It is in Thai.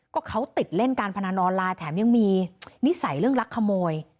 ก็เขาติดเล่นการพนันออนไลน์แถมยังมีนิสัยเรื่องลักขโมย